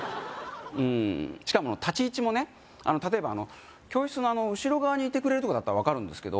うんしかも立ち位置もねあの例えばあの教室のあの後ろ側にいてくれるとかだったら分かるんですけど